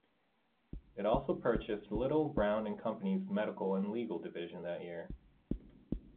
It also purchased Little, Brown and Company's medical and legal division that year.